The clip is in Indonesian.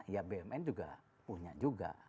ya bumn juga punya juga